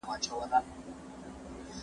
تیاره د خوب د څپو په څېر خپرېده.